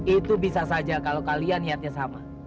itu bisa saja kalau kalian niatnya sama